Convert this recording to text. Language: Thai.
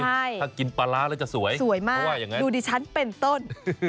ถ้ากินปลาร้าแล้วจะสวยเพราะว่าอย่างไรสวยมากดูดิฉันเป็นต่อน